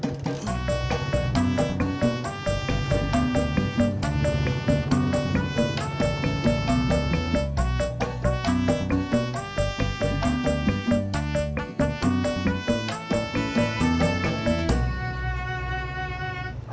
untuk kita belajar semia